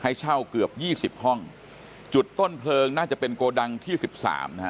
ให้เช่าเกือบยี่สิบห้องจุดต้นเพลิงน่าจะเป็นโกดังที่สิบสามนะฮะ